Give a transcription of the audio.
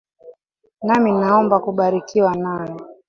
Nami naomba kubarikiwa nawe.